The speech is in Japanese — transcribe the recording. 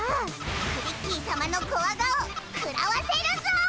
クリッキーさまのコワ顔食らわせるぞ！